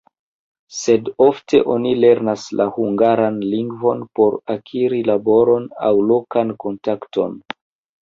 Sed ofte oni lernas la hungaran lingvon por akiri laboron aŭ lokan kontakton.